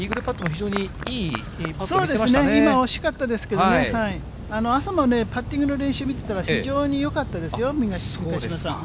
そうですね、今、惜しかったですけどね、朝もパッティングの練習見てたら、非常によかったですよ、三ヶ島さん。